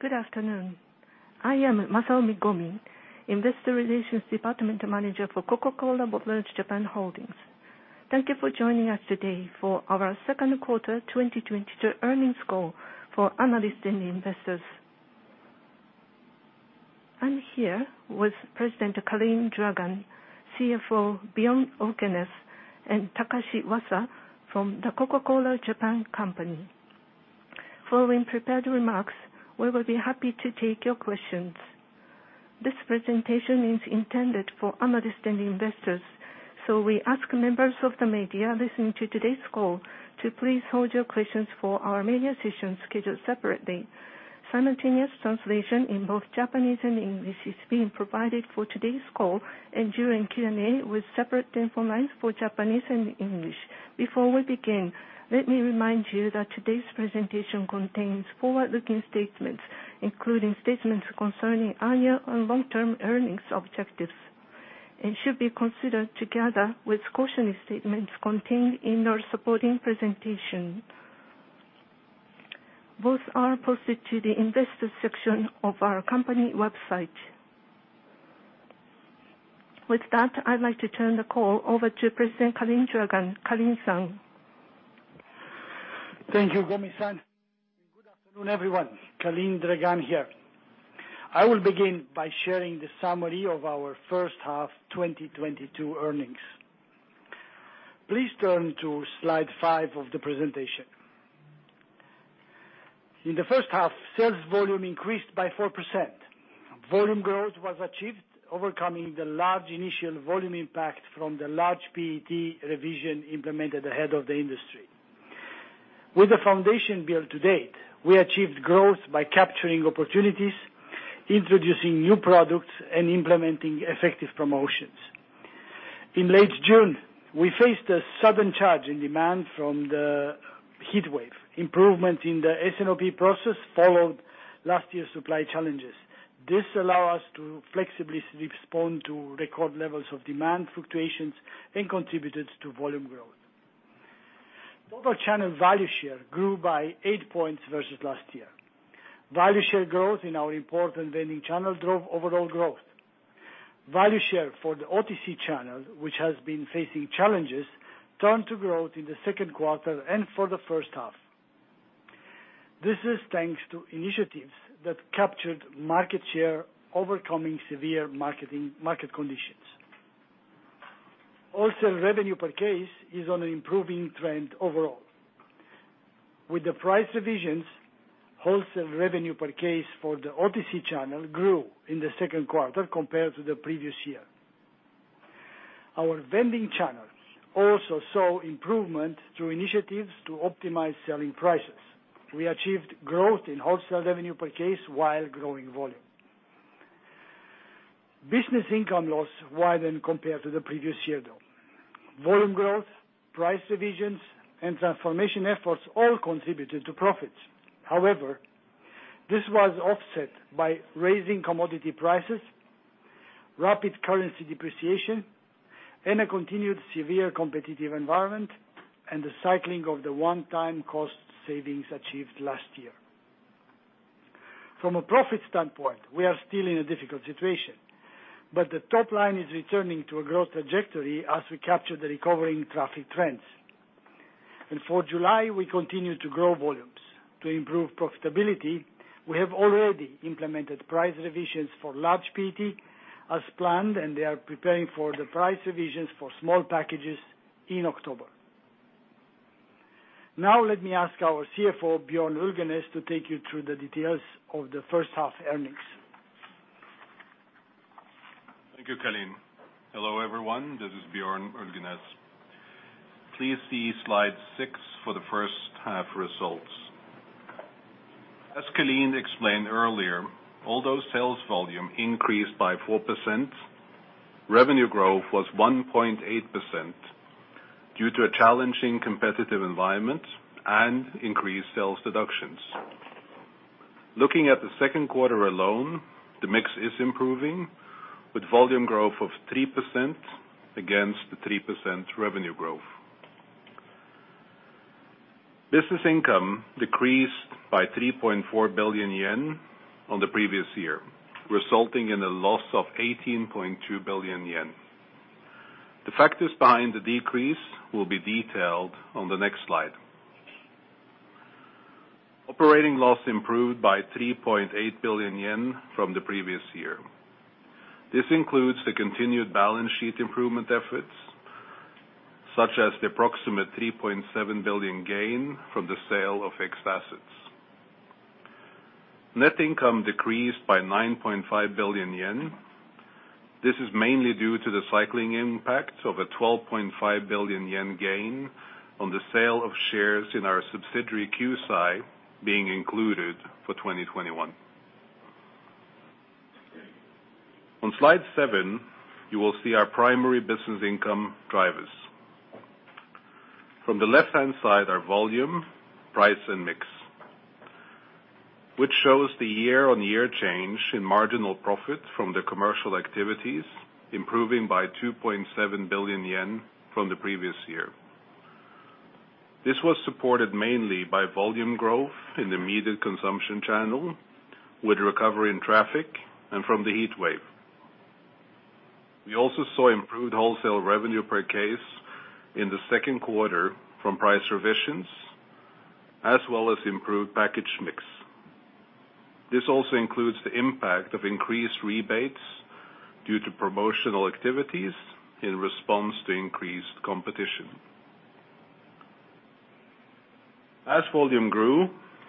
Good afternoon. I am Masaomi Gomi, Investor Relations Department manager for Coca-Cola Bottlers Japan Holdings. Thank you for joining us today for our Second Quarter 2022 Earnings Call for analysts and investors. I'm here with President Calin Dragan, CFO Bjorn Ulgenes, and Takashi Wasa from The Coca-Cola (Japan) Company. Following prepared remarks, we will be happy to take your questions. This presentation is intended for analysts and investors, so we ask members of the media listening to today's call to please hold your questions for our media session scheduled separately. Simultaneous translation in both Japanese and English is being provided for today's call, and during Q&A with separate telephone lines for Japanese and English. Before we begin, let me remind you that today's presentation contains forward-looking statements, including statements concerning annual and long-term earnings objectives, and should be considered together with cautionary statements contained in our supporting presentation. Both are posted to the Investor section of our company website. With that, I'd like to turn the call over to President Calin Dragan. Calin Dragan-san. Thank you, Gomi-san. Good afternoon, everyone. Calin Dragan here. I will begin by sharing the summary of our first half 2022 earnings. Please turn to slide five of the presentation. In the first half, sales volume increased by 4%. Volume growth was achieved overcoming the large initial volume impact from the large PET revision implemented ahead of the industry. With the foundation built to date, we achieved growth by capturing opportunities, introducing new products, and implementing effective promotions. In late June, we faced a sudden surge in demand from the heatwave. Improvement in the S&OP process followed last year's supply challenges. This allowed us to flexibly respond to record levels of demand fluctuations and contributed to volume growth. Total channel value share grew by 8 points versus last year. Value share growth in our important vending channel drove overall growth. Value share for the OTC channel, which has been facing challenges, turned to growth in the second quarter and for the first half. This is thanks to initiatives that captured market share, overcoming severe market conditions. Wholesale revenue per case is on an improving trend overall. With the price revisions, wholesale revenue per case for the OTC channel grew in the second quarter compared to the previous year. Our vending channels also saw improvement through initiatives to optimize selling prices. We achieved growth in wholesale revenue per case while growing volume. Business income loss widened compared to the previous year, though. Volume growth, price revisions, and transformation efforts all contributed to profits. However, this was offset by raising commodity prices, rapid currency depreciation, and a continued severe competitive environment, and the cycling of the one-time cost savings achieved last year. From a profit standpoint, we are still in a difficult situation, but the top line is returning to a growth trajectory as we capture the recovering traffic trends. For July, we continue to grow volumes. To improve profitability, we have already implemented price revisions for large PET as planned, and they are preparing for the price revisions for small packages in October. Now let me ask our CFO, Bjorn Ulgenes, to take you through the details of the first half earnings. Thank you, Calin. Hello, everyone. This is Bjorn Ulgenes. Please see slide six for the first half results. As Calin explained earlier, although sales volume increased by 4%, revenue growth was 1.8% due to a challenging competitive environment and increased sales deductions. Looking at the second quarter alone, the mix is improving with volume growth of 3% against the 3% revenue growth. Business income decreased by 3.4 billion yen on the previous year, resulting in a loss of 18.2 billion yen. The factors behind the decrease will be detailed on the next slide. Operating loss improved by 3.8 billion yen from the previous year. This includes the continued balance sheet improvement efforts, such as the approximate 3.7 billion gain from the sale of fixed assets. Net income decreased by 9.5 billion yen. This is mainly due to the cycling impact of a 12.5 billion yen gain on the sale of shares in our subsidiary, Q'sai, being included for 2021. On slide seven, you will see our primary business income drivers. From the left-hand side are volume, price, and mix, which shows the year-on-year change in marginal profit from the commercial activities, improving by 2.7 billion yen from the previous year. This was supported mainly by volume growth in the immediate consumption channel with recovery in traffic and from the heatwave. We also saw improved wholesale revenue per case in the second quarter from price revisions, as well as improved package mix. This also includes the impact of increased rebates due to promotional activities in response to increased competition. As volume grew,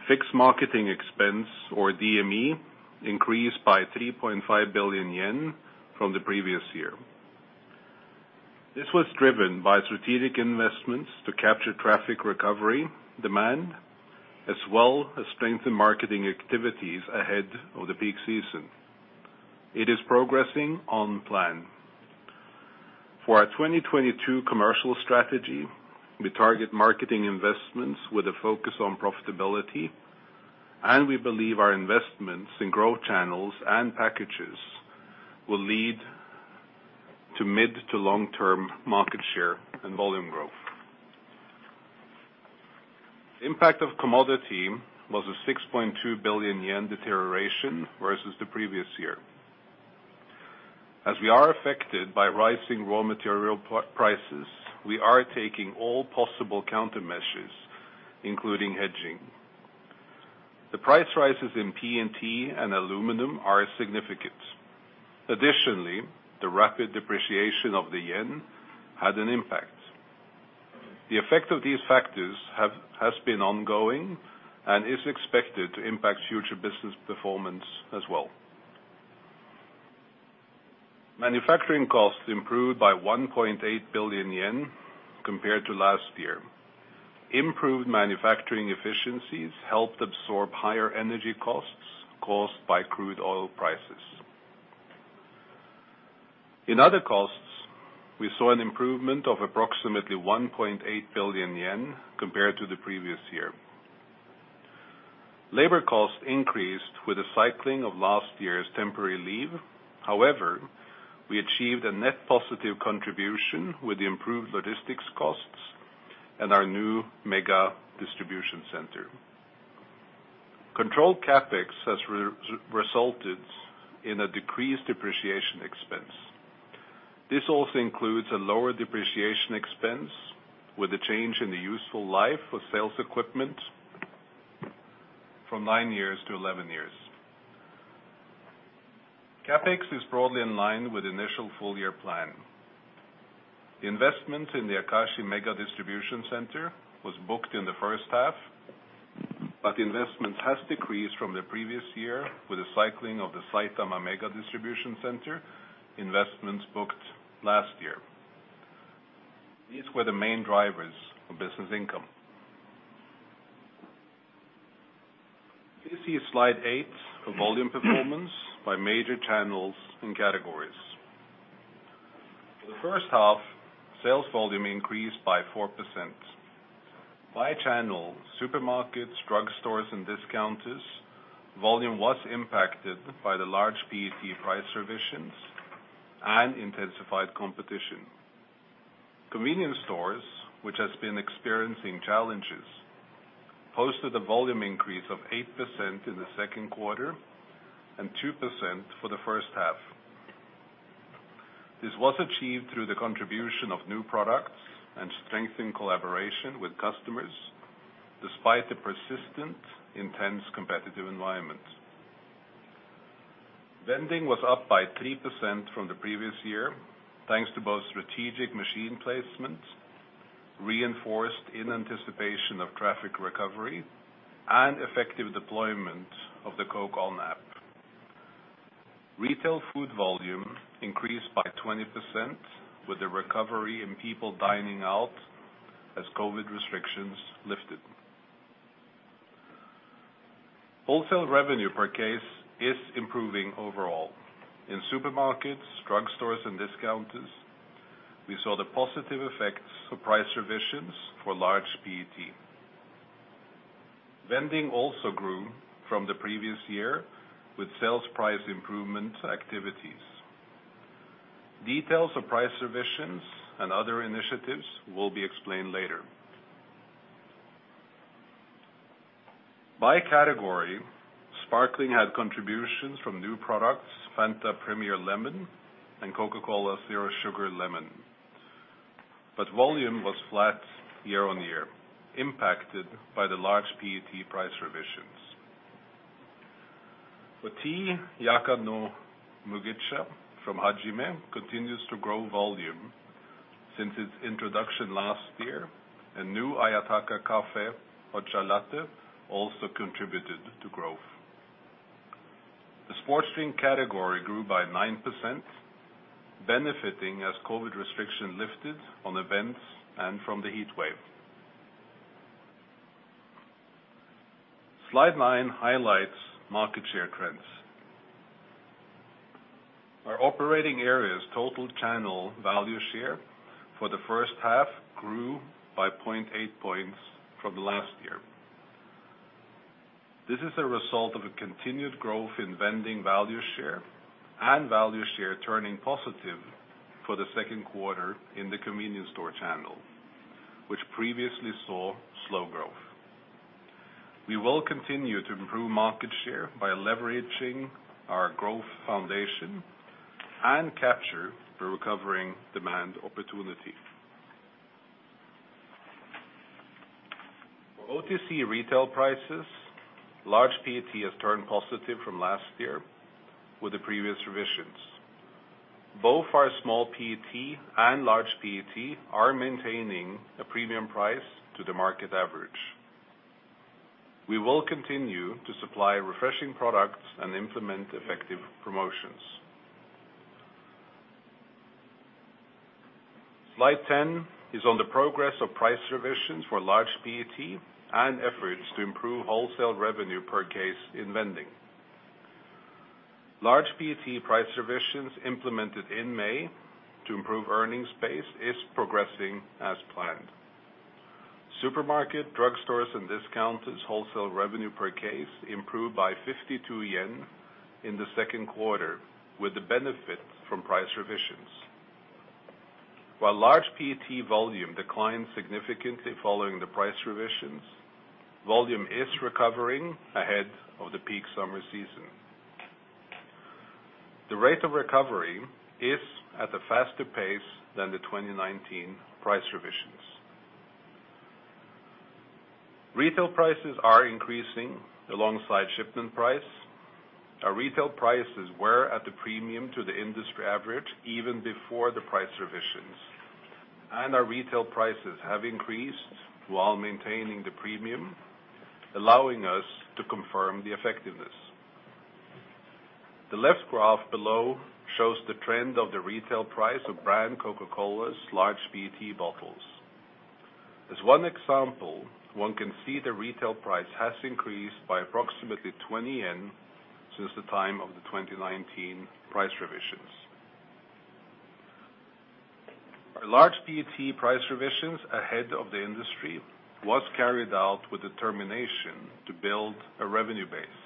fixed marketing expense or DME increased by 3.5 billion yen from the previous year. This was driven by strategic investments to capture traffic recovery demand, as well as strengthen marketing activities ahead of the peak season. It is progressing on plan. For our 2022 commercial strategy, we target marketing investments with a focus on profitability, and we believe our investments in growth channels and packages will lead to mid- to long-term market share and volume growth. Impact of commodity was a 6.2 billion yen deterioration versus the previous year. As we are affected by rising raw material prices, we are taking all possible countermeasures, including hedging. The price rises in PET and aluminum are significant. Additionally, the rapid depreciation of the yen had an impact. The effect of these factors has been ongoing and is expected to impact future business performance as well. Manufacturing costs improved by 1.8 billion yen compared to last year. Improved manufacturing efficiencies helped absorb higher energy costs caused by crude oil prices. In other costs, we saw an improvement of approximately 1.8 billion yen compared to the previous year. Labor costs increased with the cycling of last year's temporary leave. However, we achieved a net positive contribution with improved logistics costs and our new mega distribution center. Controlled CapEx has resulted in a decreased depreciation expense. This also includes a lower depreciation expense with a change in the useful life of sales equipment from nine years to 11 years. CapEx is broadly in line with initial full-year plan. Investment in the Akashi Mega Distribution Center was booked in the first half, but investment has decreased from the previous year with the cycling of the Saitama mega distribution center investments booked last year. These were the main drivers of business income. Please see slide eight for volume performance by major channels and categories. For the first half, sales volume increased by 4%. By channel, supermarkets, drugstores, and discounters, volume was impacted by the large PET price revisions and intensified competition. Convenience stores, which has been experiencing challenges, posted a volume increase of 8% in the second quarter and 2% for the first half. This was achieved through the contribution of new products and strengthened collaboration with customers despite the persistent intense competitive environment. Vending was up by 3% from the previous year, thanks to both strategic machine placement, reinforced in anticipation of traffic recovery and effective deployment of the Coke ON app. Retail food volume increased by 20% with a recovery in people dining out as COVID restrictions lifted. Wholesale revenue per case is improving overall. In supermarkets, drugstores, and discounters, we saw the positive effects of price revisions for large PET. Vending also grew from the previous year with sales price improvement activities. Details of price revisions and other initiatives will be explained later. By category, Sparkling had contributions from new products, Fanta Premier Lemon and Coca-Cola Zero Sugar Lemon. Volume was flat year-on-year, impacted by the large PET price revisions. For Tea, Yakan no Mugicha from Hajime continues to grow volume since its introduction last year, and new Ayataka Cafe Hot Chocolate also contributed to growth. The sports drink category grew by 9%, benefiting as COVID restriction lifted on events and from the heatwave. Slide nine highlights market share trends. Our operating areas total channel value share for the first half grew by 0.8 points from last year. This is a result of a continued growth in vending value share and value share turning positive for the second quarter in the convenience store channel, which previously saw slow growth. We will continue to improve market share by leveraging our growth foundation and capture the recovering demand opportunity. For OTC retail prices, large PET has turned positive from last year with the previous revisions. Both our small PET and large PET are maintaining a premium price to the market average. We will continue to supply refreshing products and implement effective promotions. Slide 10 is on the progress of price revisions for large PET and efforts to improve wholesale revenue per case in vending. Large PET price revisions implemented in May to improve earnings base is progressing as planned. Supermarket, drugstores, and discounters wholesale revenue per case improved by 52 yen in the second quarter with the benefit from price revisions. While large PET volume declined significantly following the price revisions, volume is recovering ahead of the peak summer season. The rate of recovery is at a faster pace than the 2019 price revisions. Retail prices are increasing alongside shipment price. Our retail prices were at a premium to the industry average even before the price revisions. Our retail prices have increased while maintaining the premium, allowing us to confirm the effectiveness. The left graph below shows the trend of the retail price of brand Coca-Cola's large PET bottles. As one example, one can see the retail price has increased by approximately 20 yen since the time of the 2019 price revisions. Our large PET price revisions ahead of the industry was carried out with determination to build a revenue base.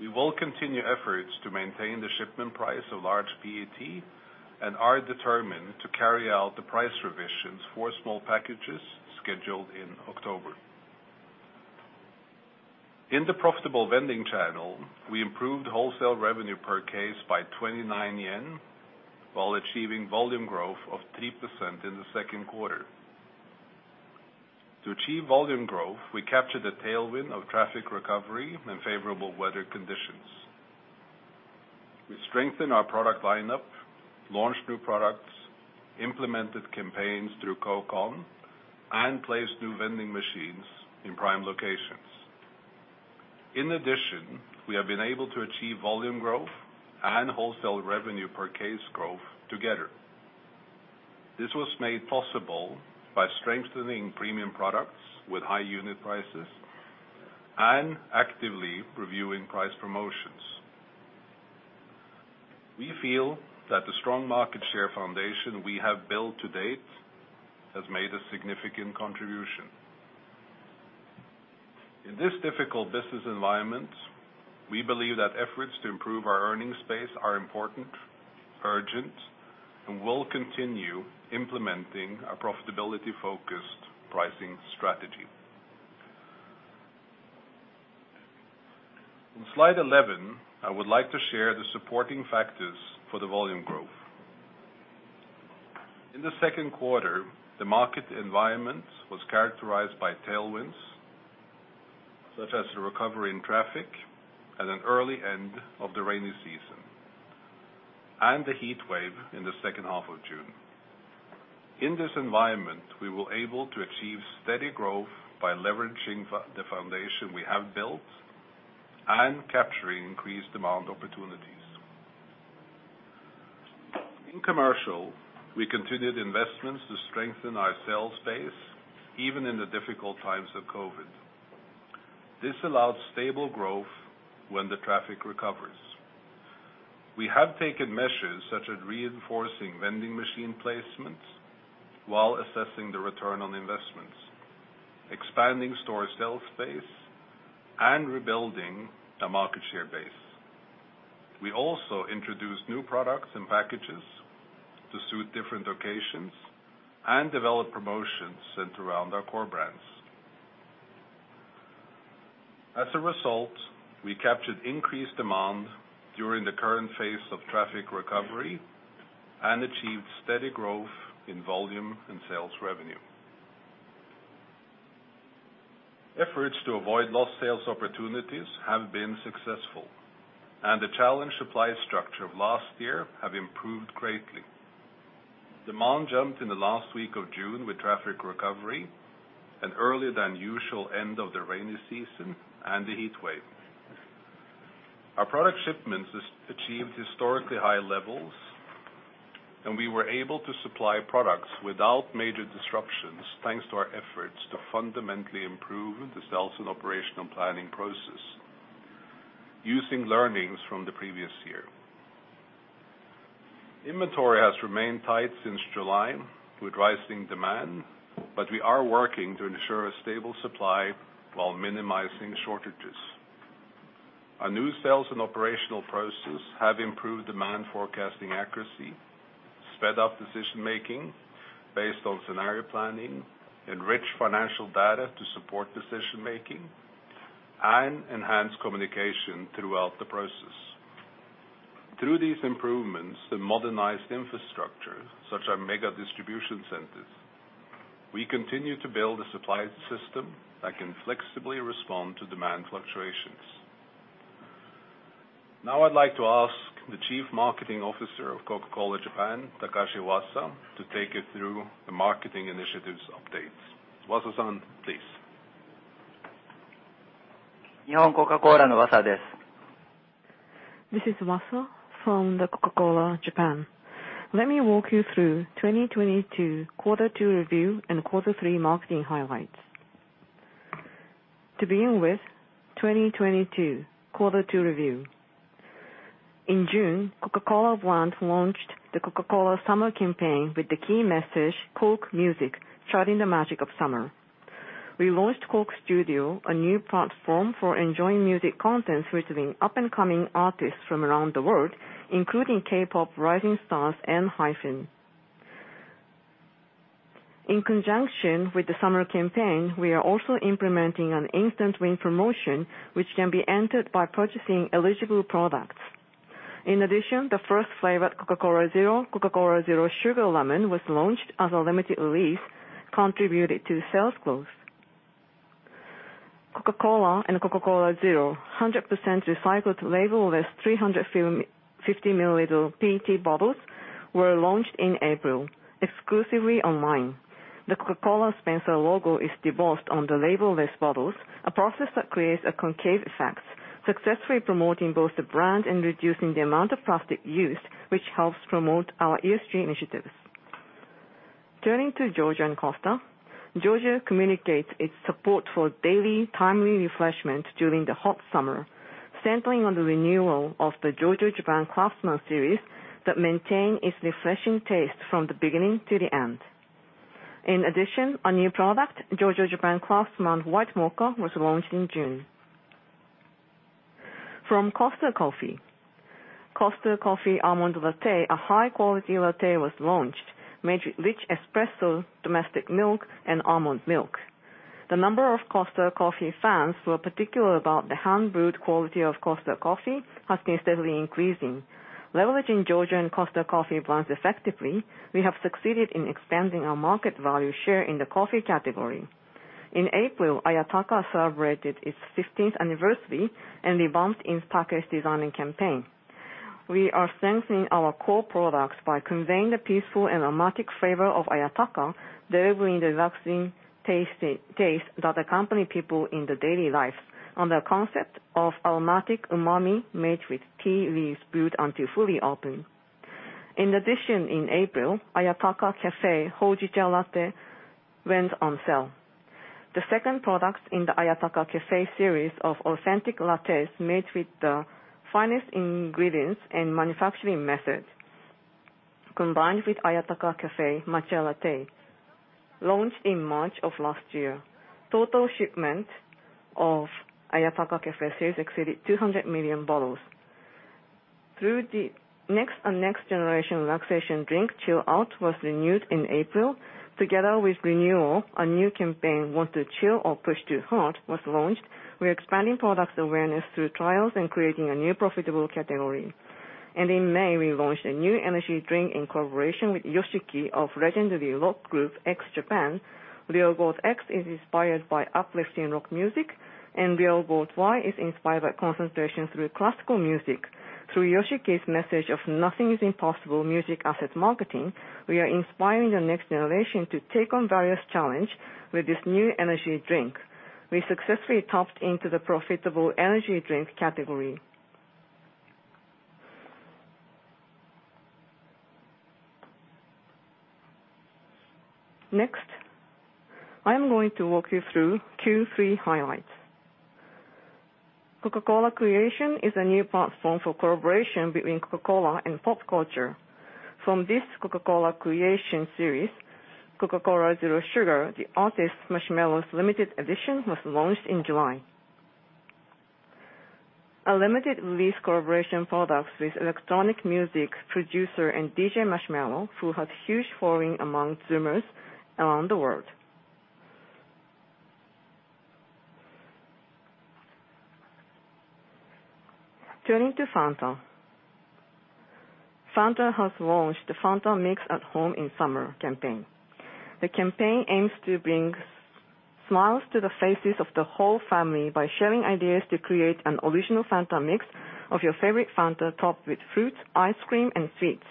We will continue efforts to maintain the shipment price of large PET and are determined to carry out the price revisions for small packages scheduled in October. In the profitable vending channel, we improved wholesale revenue per case by 29 yen while achieving volume growth of 3% in the second quarter. To achieve volume growth, we captured a tailwind of traffic recovery and favorable weather conditions. We strengthened our product lineup, launched new products, implemented campaigns through Coke ON, and placed new vending machines in prime locations. In addition, we have been able to achieve volume growth and wholesale revenue per case growth together. This was made possible by strengthening premium products with high unit prices and actively reviewing price promotions. We feel that the strong market share foundation we have built to date has made a significant contribution. In this difficult business environment, we believe that efforts to improve our earnings base are important, urgent, and will continue implementing a profitability-focused pricing strategy. On slide 11, I would like to share the supporting factors for the volume growth. In the second quarter, the market environment was characterized by tailwinds, such as the recovery in traffic at an early end of the rainy season and the heat wave in the second half of June. In this environment, we were able to achieve steady growth by leveraging the foundation we have built and capturing increased demand opportunities. In Commercial, we continued investments to strengthen our sales base, even in the difficult times of COVID. This allowed stable growth when the traffic recovers. We have taken measures such as reinforcing vending machine placements while assessing the return on investments, expanding store sales space, and rebuilding a market share base. We also introduced new products and packages to suit different locations and developed promotions centered around our core brands. As a result, we captured increased demand during the current phase of traffic recovery and achieved steady growth in volume and sales revenue. Efforts to avoid lost sales opportunities have been successful, and the challenged supply structure of last year have improved greatly. Demand jumped in the last week of June with traffic recovery, an earlier than usual end of the rainy season, and the heat wave. Our product shipments has achieved historically high levels, and we were able to supply products without major disruptions, thanks to our efforts to fundamentally improve the sales and operational planning process using learnings from the previous year. Inventory has remained tight since July with rising demand, but we are working to ensure a stable supply while minimizing shortages. Our new sales and operational processes have improved demand forecasting accuracy, sped up decision-making based on scenario planning, enrich financial data to support decision-making, and enhance communication throughout the process. Through these improvements, the modernized infrastructure, such as mega distribution centers, we continue to build a supply system that can flexibly respond to demand fluctuations. Now I'd like to ask the Chief Marketing Officer of Coca-Cola Japan, Takashi Wasa, to take you through the marketing initiatives updates. Wasa-san, please. This is Wasa from the Coca-Cola Japan. Let me walk you through 2022 quarter two review and quarter three marketing highlights. To begin with, 2022 quarter two review. In June, Coca-Cola Brand launched the Coca-Cola summer campaign with the key message, "Coke Music: Charting the Magic of Summer." We launched Coke Studio, a new platform for enjoying music content featuring up-and-coming artists from around the world, including K-pop rising stars, ENHYPEN. In conjunction with the summer campaign, we are also implementing an instant win promotion, which can be entered by purchasing eligible products. In addition, the first flavor of Coca-Cola Zero, Coca-Cola Zero Sugar Lemon, was launched as a limited release, contributed to sales growth. Coca-Cola and Coca-Cola Zero 100% recycled label-less 300-350 milliliter PET bottles were launched in April, exclusively online. The Coca-Cola Spencerian logo is debossed on the label-less bottles, a process that creates a concave effect, successfully promoting both the brand and reducing the amount of plastic used, which helps promote our ESG initiatives. Turning to Georgia and Costa. Georgia communicates its support for daily timely refreshment during the hot summer, centering on the renewal of the Georgia Japan Craftsman series that maintain its refreshing taste from the beginning to the end. In addition, a new product, Georgia Japan Craftsman White Mocha, was launched in June. From Costa Coffee. Costa Coffee Almond Latte, a high quality latte, was launched made with rich espresso, domestic milk and almond milk. The number of Costa Coffee fans who are particular about the hand-brewed quality of Costa Coffee has been steadily increasing. Leveraging Georgia and Costa Coffee brands effectively, we have succeeded in expanding our market value share in the coffee category. In April, Ayataka celebrated its 15th anniversary and revamped its package design and campaign. We are strengthening our core products by conveying the peaceful and aromatic flavor of Ayataka, delivering the relaxing tasty taste that accompany people in their daily life on the concept of aromatic umami made with tea leaves brewed until fully open. In addition, in April, Ayataka Cafe Hojicha Latte went on sale. The second product in the Ayataka Cafe series of authentic lattes made with the finest ingredients and manufacturing methods, combined with Ayataka Cafe Matcha Latte, launched in March of last year. Total shipment of Ayataka Cafe series exceeded 200 million bottles. The next and next generation relaxation drink, CHILL OUT, was renewed in April. Together with renewal, a new campaign, Want to Chill or Push to Heart, was launched. We're expanding products awareness through trials and creating a new profitable category. In May, we launched a new energy drink in collaboration with Yoshiki of legendary rock group X Japan. Real Gold X is inspired by uplifting rock music, and Real Gold Y is inspired by concentration through classical music. Through Yoshiki's message of nothing is impossible music-based marketing, we are inspiring the next generation to take on various challenges with this new energy drink. We successfully tapped into the profitable energy drink category. Next, I am going to walk you through Q3 highlights. Coca-Cola Creations is a new platform for collaboration between Coca-Cola and pop culture. From this Coca-Cola Creations series, Coca-Cola Zero Sugar, the artist Marshmello's limited edition was launched in July. A limited release collaboration product with electronic music producer and deejay Marshmello, who has huge following among zoomers around the world. Turning to Fanta. Fanta has launched the Fanta Mix at Home in Summer campaign. The campaign aims to bring smiles to the faces of the whole family by sharing ideas to create an original Fanta mix of your favorite Fanta topped with fruits, ice cream and sweets.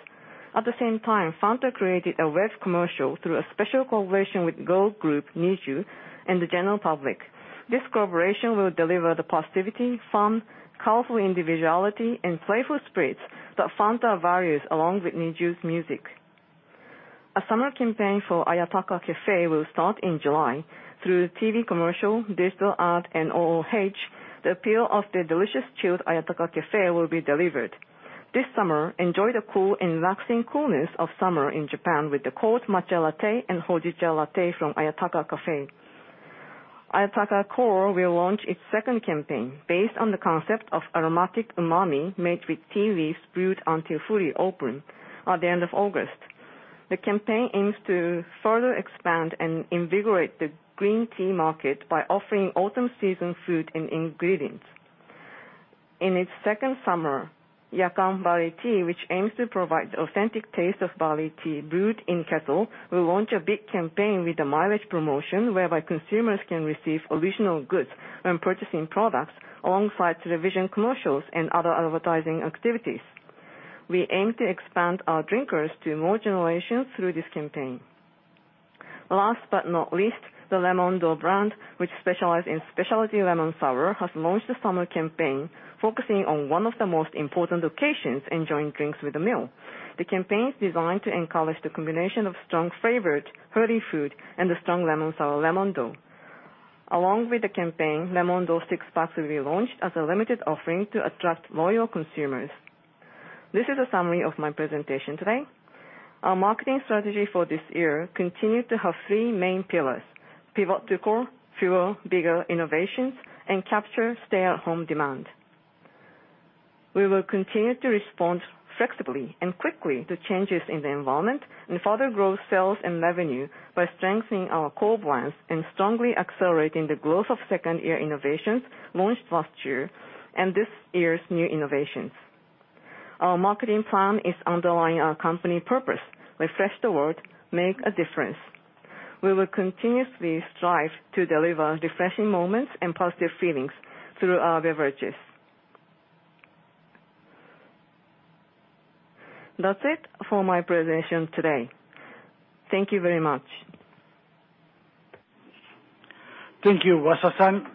At the same time, Fanta created a web commercial through a special collaboration with girl group NiziU and the general public. This collaboration will deliver the positivity, fun, colorful individuality and playful spirits that Fanta values, along with NiziU's music. A summer campaign for Ayataka Cafe will start in July through TV commercial, digital ad, and OOH. The appeal of the delicious chilled Ayataka Cafe will be delivered. This summer, enjoy the cool and relaxing coolness of summer in Japan with the cold matcha latte and hojicha latte from Ayataka Cafe. Ayataka Core will launch its second campaign based on the concept of aromatic umami made with tea leaves brewed until fully open at the end of August. The campaign aims to further expand and invigorate the green tea market by offering autumn season food and ingredients. In its second summer, Yakan no Mugicha, which aims to provide the authentic taste of barley tea brewed in kettle, will launch a big campaign with a mileage promotion whereby consumers can receive original goods when purchasing products, alongside television commercials and other advertising activities. We aim to expand our drinkers to more generations through this campaign. Last but not least, the Lemon-Dou brand, which specialize in specialty lemon sour, has launched a summer campaign focusing on one of the most important occasions, enjoying drinks with a meal. The campaign's designed to encourage the combination of strong flavored hearty food and the strong lemon sour Lemon-Dou. Along with the campaign, Lemon-Dou six-pack will be launched as a limited offering to attract loyal consumers. This is a summary of my presentation today. Our marketing strategy for this year continue to have three main pillars: pivot to core, fuel bigger innovations, and capture stay-at-home demand. We will continue to respond flexibly and quickly to changes in the environment and further grow sales and revenue by strengthening our core brands and strongly accelerating the growth of second year innovations launched last year and this year's new innovations. Our marketing plan is underlying our company purpose, refresh the world, make a difference. We will continuously strive to deliver refreshing moments and positive feelings through our beverages. That's it for my presentation today. Thank you very much. Thank you, Wasa-san.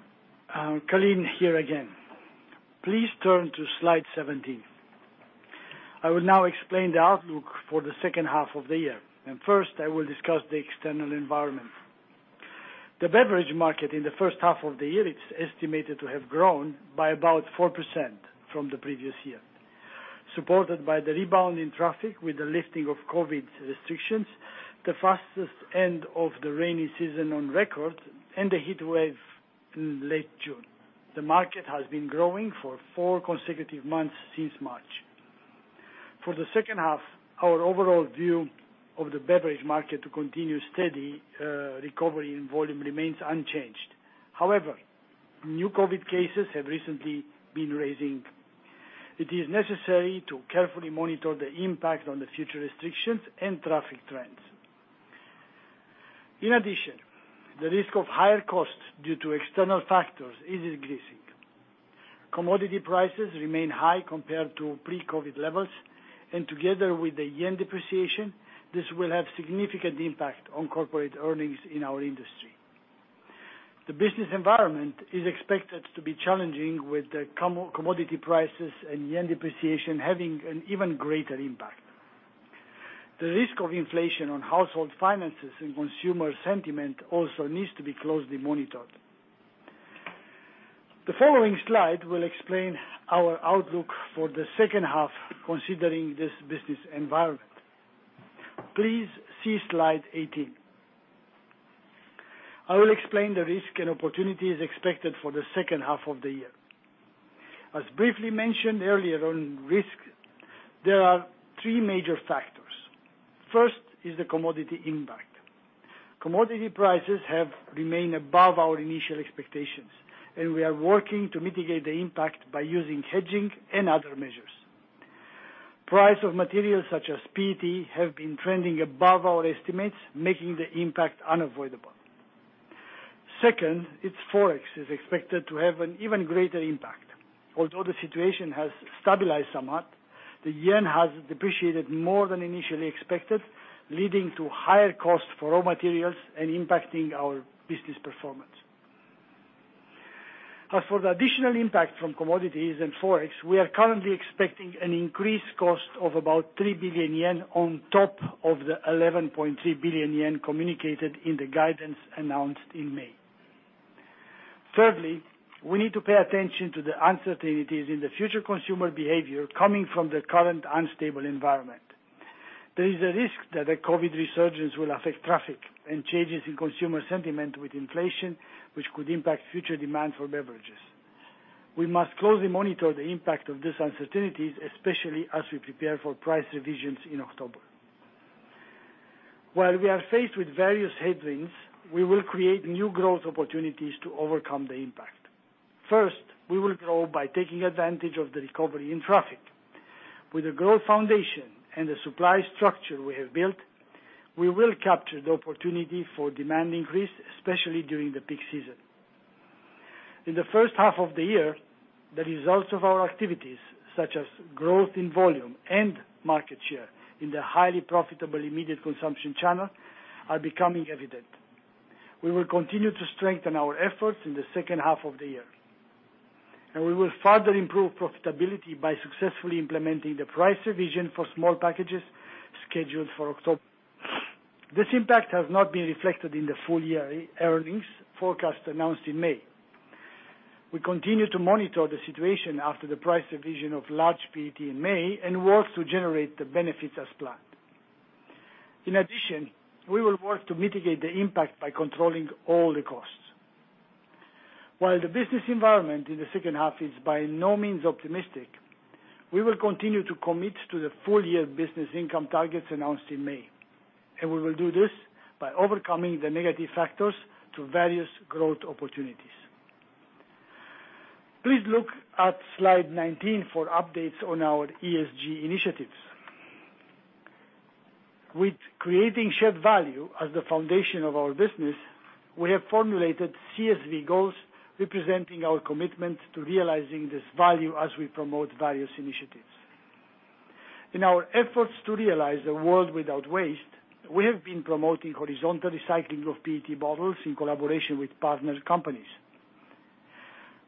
Calin here again. Please turn to slide 17. I will now explain the outlook for the second half of the year, and first, I will discuss the external environment. The beverage market in the first half of the year, it's estimated to have grown by about 4% from the previous year, supported by the rebound in traffic with the lifting of COVID restrictions, the fastest end of the rainy season on record, and the heatwave in late June. The market has been growing for four consecutive months since March. For the second half, our overall view of the beverage market to continue steady recovery in volume remains unchanged. However, new COVID cases have recently been rising. It is necessary to carefully monitor the impact of future restrictions and traffic trends. In addition, the risk of higher costs due to external factors is increasing. Commodity prices remain high compared to pre-COVID levels, and together with the yen depreciation, this will have significant impact on corporate earnings in our industry. The business environment is expected to be challenging with the commodity prices and yen depreciation having an even greater impact. The risk of inflation on household finances and consumer sentiment also needs to be closely monitored. The following slide will explain our outlook for the second half, considering this business environment. Please see slide 18. I will explain the risk and opportunities expected for the second half of the year. As briefly mentioned earlier on risk, there are three major factors. First is the commodity impact. Commodity prices have remained above our initial expectations, and we are working to mitigate the impact by using hedging and other measures. Price of materials such as PET have been trending above our estimates, making the impact unavoidable. Second, its Forex is expected to have an even greater impact. Although the situation has stabilized somewhat, the yen has depreciated more than initially expected, leading to higher cost for raw materials and impacting our business performance. As for the additional impact from commodities and Forex, we are currently expecting an increased cost of about 3 billion yen on top of the 11.3 billion yen communicated in the guidance announced in May. Thirdly, we need to pay attention to the uncertainties in the future consumer behavior coming from the current unstable environment. There is a risk that a COVID resurgence will affect traffic and changes in consumer sentiment with inflation, which could impact future demand for beverages. We must closely monitor the impact of these uncertainties, especially as we prepare for price revisions in October. While we are faced with various headwinds, we will create new growth opportunities to overcome the impact. First, we will grow by taking advantage of the recovery in traffic. With the growth foundation and the supply structure we have built, we will capture the opportunity for demand increase, especially during the peak season. In the first half of the year, the results of our activities, such as growth in volume and market share in the highly profitable immediate consumption channel, are becoming evident. We will continue to strengthen our efforts in the second half of the year. We will further improve profitability by successfully implementing the price revision for small packages scheduled for October. This impact has not been reflected in the full-year earnings forecast announced in May. We continue to monitor the situation after the price revision of large PET in May, and work to generate the benefits as planned. In addition, we will work to mitigate the impact by controlling all the costs. While the business environment in the second half is by no means optimistic, we will continue to commit to the full year business income targets announced in May, and we will do this by overcoming the negative factors to various growth opportunities. Please look at slide 19 for updates on our ESG initiatives. With creating shared value as the foundation of our business, we have formulated CSV goals representing our commitment to realizing this value as we promote various initiatives. In our efforts to realize a world without waste, we have been promoting horizontal recycling of PET bottles in collaboration with partner companies.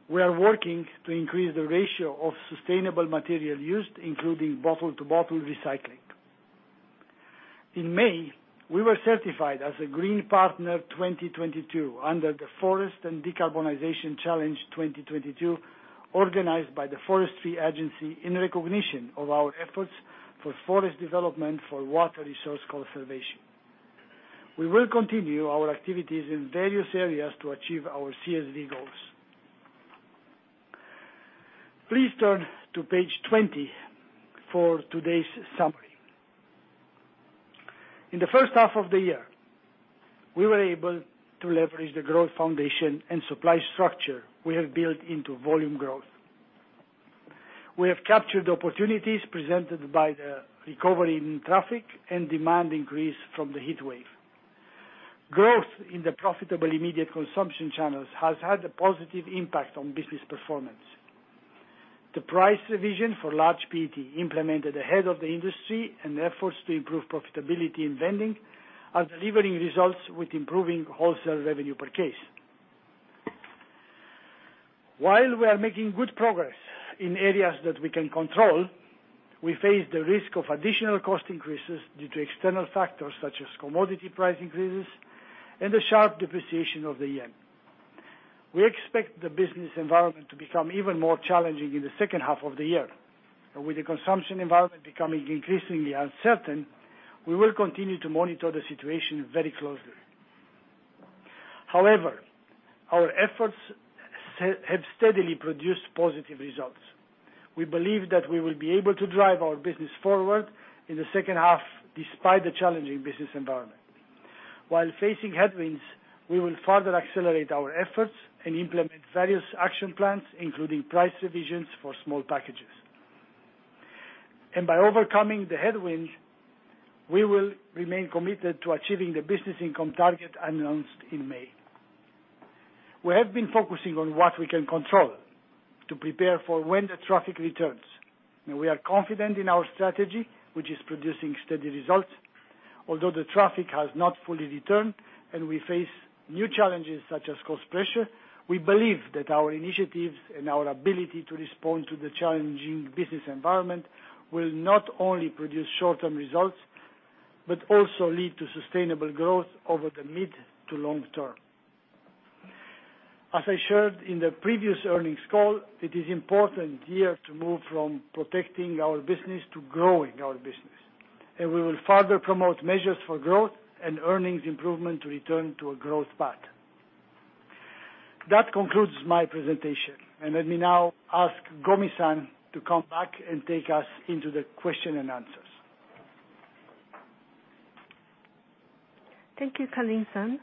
We are working to increase the ratio of sustainable material used, including bottle-to-bottle recycling. In May, we were certified as a Green Partner 2022 under the Forest and Decarbonization Challenge 2022, organized by the Forestry Agency in recognition of our efforts for forest development for water resource conservation. We will continue our activities in various areas to achieve our CSV goals. Please turn to page 20 for today's summary. In the first half of the year, we were able to leverage the growth foundation and supply structure we have built into volume growth. We have captured opportunities presented by the recovery in traffic and demand increase from the heatwave. Growth in the profitable immediate consumption channels has had a positive impact on business performance. The price revision for large PET implemented ahead of the industry and efforts to improve profitability in vending are delivering results with improving wholesale revenue per case. While we are making good progress in areas that we can control, we face the risk of additional cost increases due to external factors such as commodity price increases and the sharp depreciation of the yen. We expect the business environment to become even more challenging in the second half of the year. With the consumption environment becoming increasingly uncertain, we will continue to monitor the situation very closely. However, our efforts have steadily produced positive results. We believe that we will be able to drive our business forward in the second half despite the challenging business environment. While facing headwinds, we will further accelerate our efforts and implement various action plans, including price revisions for small packages. By overcoming the headwinds, we will remain committed to achieving the business income target announced in May. We have been focusing on what we can control to prepare for when the traffic returns. We are confident in our strategy, which is producing steady results. Although the traffic has not fully returned and we face new challenges such as cost pressure, we believe that our initiatives and our ability to respond to the challenging business environment will not only produce short-term results, but also lead to sustainable growth over the mid to long term. As I shared in the previous earnings call, it is important here to move from protecting our business to growing our business, and we will further promote measures for growth and earnings improvement to return to a growth path. That concludes my presentation. Let me now ask Gomi-san to come back and take us into the question-and-answer. Thank you, Calin-san.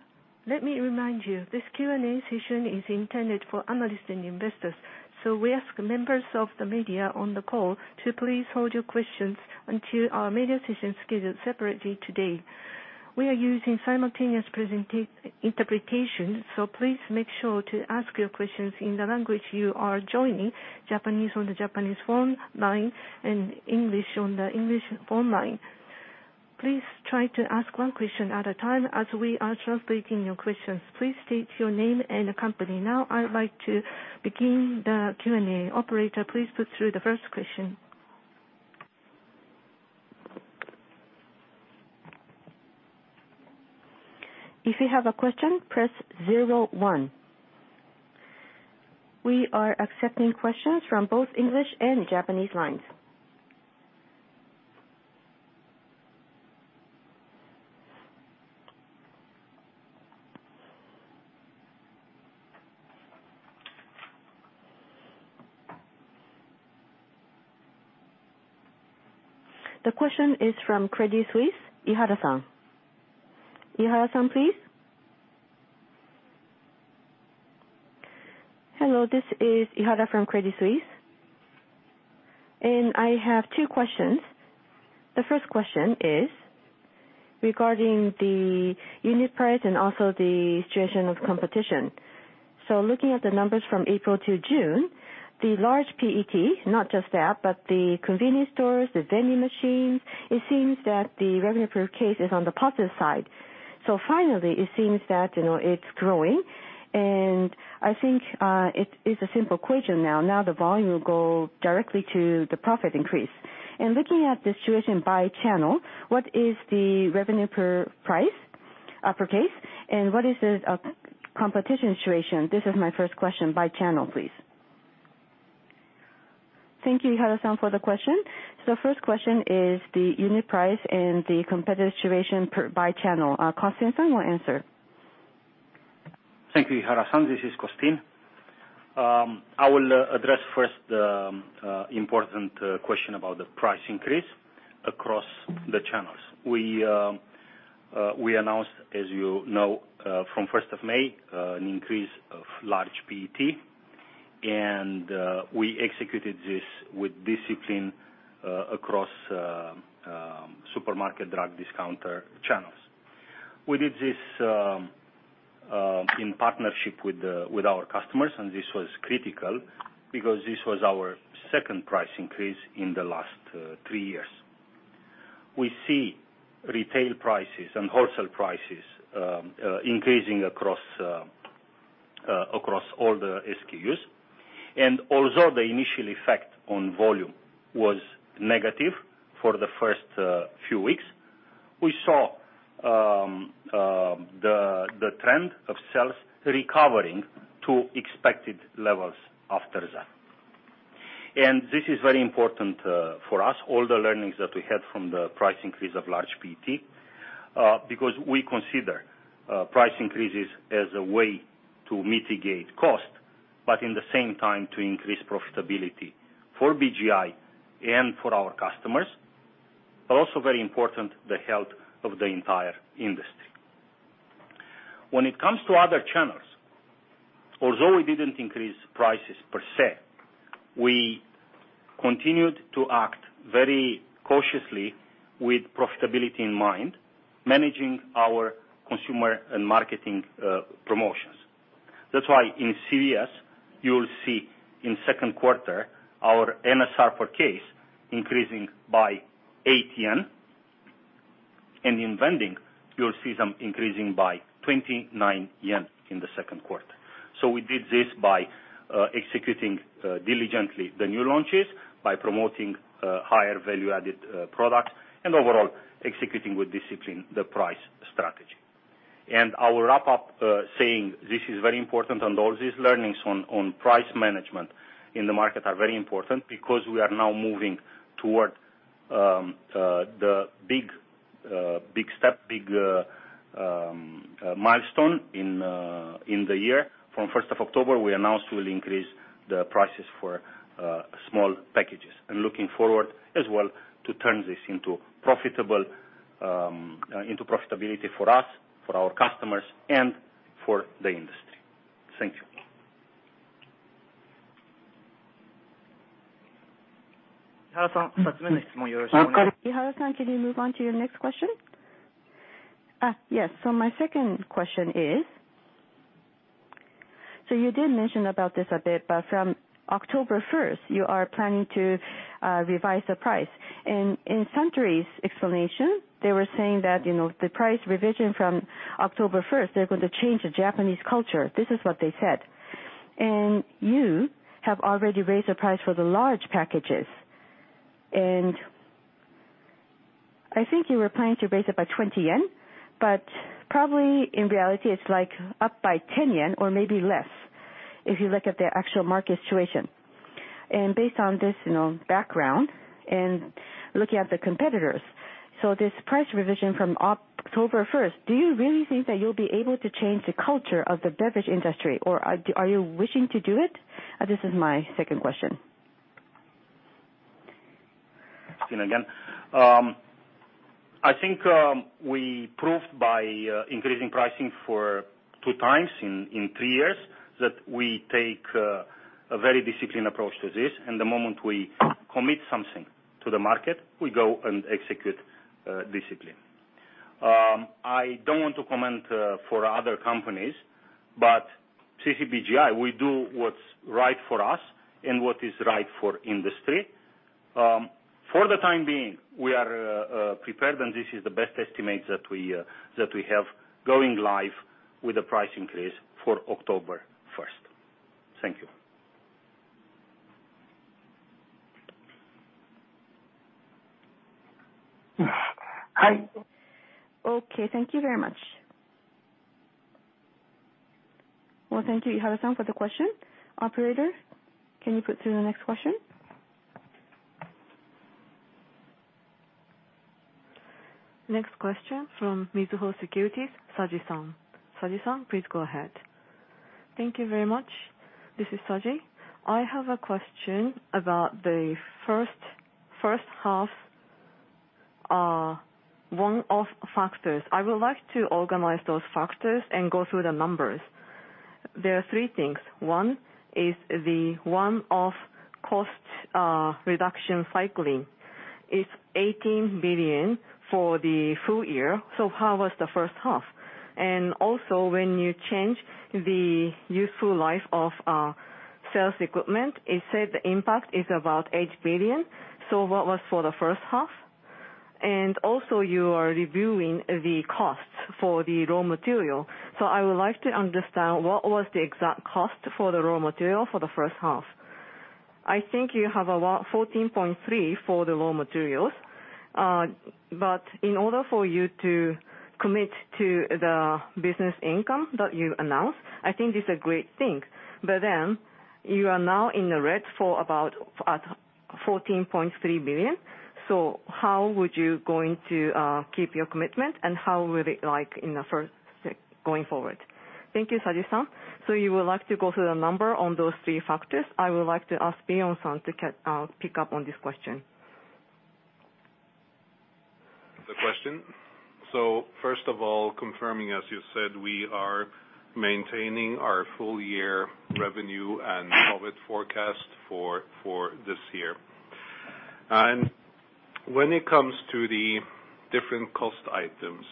Let me remind you, this Q&A session is intended for analysts and investors, so we ask members of the media on the call to please hold your questions until our media session scheduled separately today. We are using simultaneous interpretation, so please make sure to ask your questions in the language you are joining. Japanese on the Japanese phone line and English on the English phone line. Please try to ask one question at a time as we are translating your questions. Please state your name and company. Now I would like to begin the Q&A. Operator, please put through the first question. If you have a question, press zero one. We are accepting questions from both English and Japanese lines. The question is from Credit Suisse, Ihara-san. Ihara-san, please. Hello, this is Ihara from Credit Suisse, and I have two questions. The first question is regarding the unit price and also the situation of competition. Looking at the numbers from April to June, the large PET, not just that, but the convenience stores, the vending machine, it seems that the revenue per case is on the positive side. Finally, it seems that, you know, it's growing. I think it is a simple question now. Now the volume will go directly to the profit increase. Looking at the situation by channel, what is the revenue per price per case, and what is the competition situation? This is my first question by channel, please. Thank you, Ihara-san, for the question. First question is the unit price and the competitive situation per, by channel. Costin-san will answer. Thank you, Ihara-san. This is Costin. I will address first important question about the price increase across the channels. We announced, as you know, from first of May, an increase of large PET, and we executed this with discipline across supermarket drug discounter channels. We did this in partnership with our customers, and this was critical because this was our second price increase in the last three years. We see retail prices and wholesale prices increasing across all the SKUs. Although the initial effect on volume was negative for the first few weeks, we saw the trend of sales recovering to expected levels after that. This is very important, for us, all the learnings that we had from the price increase of large PET, because we consider price increases as a way to mitigate cost, but at the same time to increase profitability for BGI and for our customers, but also very important, the health of the entire industry. When it comes to other channels, although we didn't increase prices per se, we continued to act very cautiously with profitability in mind, managing our consumer and marketing promotions. That's why in CVS you will see in second quarter our NSR per case increasing by 8 yen. In vending you'll see NSR increasing by 29 yen in the second quarter. We did this by executing diligently the new launches, by promoting higher value-added products, and overall executing with discipline the price strategy. I will wrap up saying this is very important, and all these learnings on price management in the market are very important because we are now moving toward the big step, big milestone in the year. From first of October, we announced we'll increase the prices for small packages, and looking forward as well to turn this into profitability for us, for our customers, and for the industry. Thank you. Can you move on to your next question? Yes, my second question is. You did mention about this a bit, but from October first you are planning to revise the price. In Suntory's explanation, they were saying that, you know, the price revision from October first, they're going to change the Japanese culture. This is what they said. You have already raised the price for the large packages. I think you were planning to raise it by 20 yen, but probably in reality it's, like, up by 10 yen or maybe less if you look at the actual market situation. Based on this, you know, background and looking at the competitors, this price revision from October first, do you really think that you'll be able to change the culture of the beverage industry, or are you wishing to do it? This is my second question. I think we proved by increasing pricing for 2x in three years that we take a very disciplined approach to this, and the moment we commit something to the market, we go and execute discipline. I don't want to comment for other companies, but CCBJI, we do what's right for us and what is right for industry. For the time being, we are prepared, and this is the best estimate that we have going live with the price increase for October first. Thank you. Okay. Thank you very much. Well, thank you, Ihara-san, for the question. Operator, can you put through the next question? Next question from Mizuho Securities, Saji-san. Saji-san, please go ahead. Thank you very much. This is Saji. I have a question about the first half one-off factors. I would like to organize those factors and go through the numbers. There are three things. One is the one-off cost reduction cycling. It's 18 billion for the full year. How was the first half? When you change the useful life of sales equipment. It said the impact is about 8 billion. What was for the first half? You are reviewing the costs for the raw material. I would like to understand what was the exact cost for the raw material for the first half. I think you have around 14.3 billion for the raw materials. But in order for you to commit to the business income that you announced, I think it's a great thing. You are now in the red for about at 14.3 billion. How would you going to keep your commitment, and how will it like in the first, like, going forward? Thank you, Saji-san. You would like to go through the number on those three factors. I would like to ask Bjorn-san to pick up on this question. The question. First of all, confirming, as you said, we are maintaining our full year revenue and core forecast for this year. When it comes to the different cost items,